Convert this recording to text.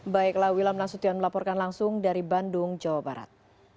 baiklah wilam nasution melaporkan langsung dari bandung jawa barat